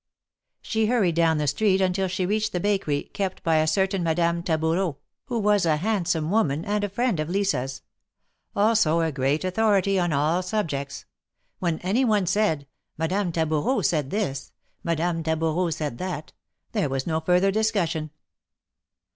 She hurried down the street until she reached the Bakery, kept by a certain Madame Taboureau, who was a THE MARKETS OF PARIS. 105 handsome woman, and a friend of Lisa's ; also, a great authority on all subjects. When any one said: Madame Taboureau said this! "" Madame Taboureau said that !" there was no further discussion.